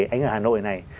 anh ở hà nội này